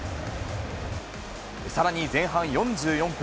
さらに前半４４分。